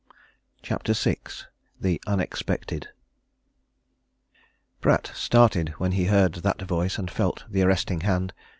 CHAPTER VI THE UNEXPECTED Pratt started when he heard that voice and felt the arresting hand.